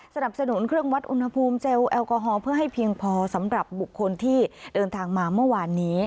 สนับสนุนเครื่องวัดอุณหภูมิเจลแอลกอฮอล์เพื่อให้เพียงพอสำหรับบุคคลที่เดินทางมาเมื่อวานนี้